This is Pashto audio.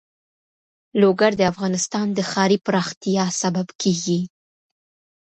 لوگر د افغانستان د ښاري پراختیا سبب کېږي.